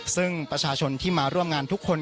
ซึ่งประชาชนที่มาร่วมงานทุกคน